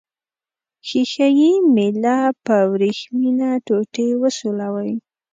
ښيښه یي میله په وریښمینه ټوټې وسولوئ.